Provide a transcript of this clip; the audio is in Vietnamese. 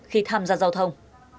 khi tham gia giao thông